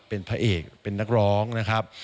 เป็นพระเอกเป็นนักร้องนะครับ